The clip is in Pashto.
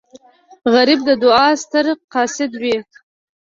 غریب د دعا ستر قاصد وي